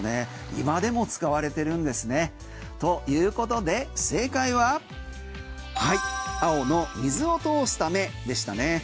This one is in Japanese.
今でも使われてるんですね。ということで、正解は青の水を通すためでしたね。